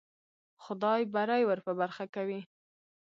خدای بری ور په برخه کوي.